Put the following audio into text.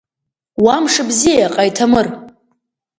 Уа мшыбзиа, Ҟаиҭамыр!